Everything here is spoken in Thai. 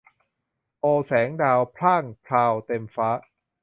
โอ แสงดาวพร่างพราวเต็มฟ้า